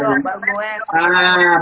saya baru mulai